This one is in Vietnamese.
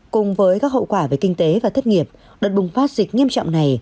cùng với các hậu quả về kinh tế và thất nghiệp đợt bùng phát dịch nghiêm trọng này